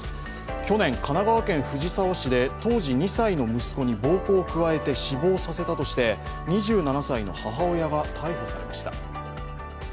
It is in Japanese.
去年、神奈川県藤沢市で当時２歳の息子に暴行を加えて死亡させたとして２７歳の母親が逮捕されました。